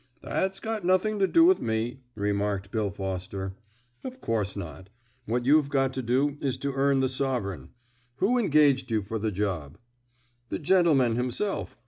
"That's got nothing to do with me," remarked Bill Foster. "Of course not. What you've got to do is to earn the sovereign. Who engaged you for the job?" "The gentleman himself.